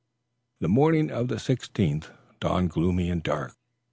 The morning of the 16th dawned gloomy and dark.